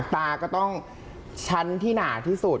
ตาก็ต้องชั้นที่หนาที่สุด